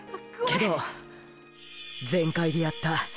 けど全開でやった。